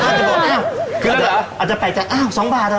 อ้าวอ้าวอาจจะแปลกใจอ้าว๒บาทเหรอ